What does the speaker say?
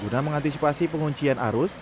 guna mengantisipasi penguncian arus